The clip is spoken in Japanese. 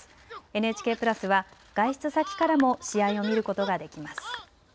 ＮＨＫプラスは外出先からも試合を見ることができます。